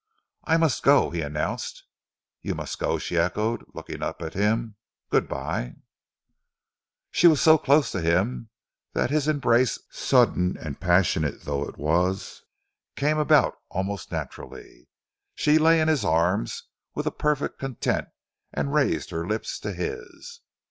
"I must go," he announced. "You must go," she echoed, looking up at him. "Good bye!" She was so close to him that his embrace, sudden and passionate though it was, came about almost naturally. She lay in his arms with perfect content and raised her lips to his.